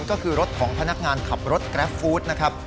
ก็คือรถของพนักงานขับรถกราฟฟู้ดนะครับ